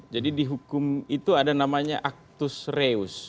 jadi di hukum itu ada namanya actus reus